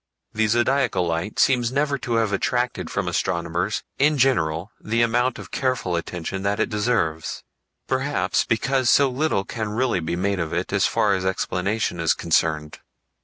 The Zodiacal Light seems never to have attracted from astronomers in general the amount of careful attention that it deserves; perhaps because so little can really be made of it as far as explanation is concerned.